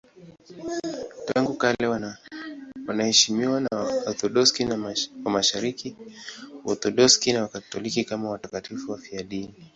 Tangu kale wanaheshimiwa na Waorthodoksi wa Mashariki, Waorthodoksi na Wakatoliki kama watakatifu wafiadini.